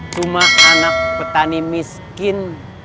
cuma anak petani miskin